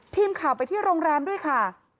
ทีมข่าวไปที่โรงแรมด้วยค่ะ